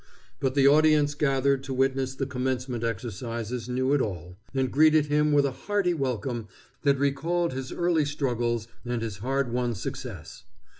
But the audience gathered to witness the commencement exercises knew it all, and greeted him with a hearty welcome that recalled his early struggles and his hard won success.